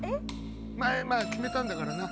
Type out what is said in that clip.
まあ決めたんだからな。